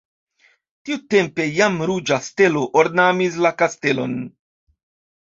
Tiutempe jam ruĝa stelo ornamis la kastelon.